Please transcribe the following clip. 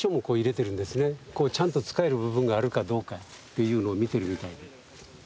ちゃんと使える部分があるかどうかっていうのを見てるみたいで。